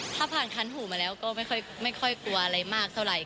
ถ้าผ่านคันหูมาแล้วก็ไม่ค่อยกลัวอะไรมากเท่าไหร่